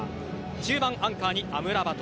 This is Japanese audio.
中盤、アンカーにアムラバト。